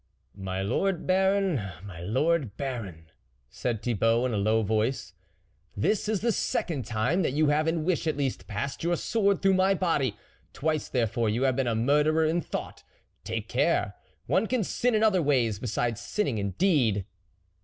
" My lord Baron ! my lord Baron !" said Thibault in a low voice, " this is the second time that you have, in wish at least, passed your sword through my body ; twice therefore you have been a murderer in thought ! Take care ! one can sin in other ways besides sinning in deed."